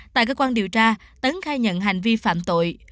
tại cơ quan điều tra tấn khai nhận hành vi phạm tội